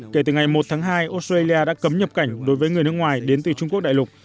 kể từ ngày một tháng hai australia đã cấm nhập cảnh đối với người nước ngoài đến từ trung quốc đại lục